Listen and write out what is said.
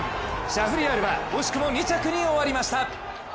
シャフリヤールは惜しくも２着に終わりました。